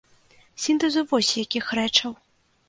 Сінтэзу вось якіх рэчаў.